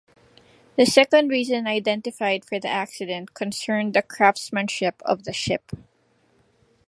The second reason identified for the accident concerned the craftsmanship of the ship.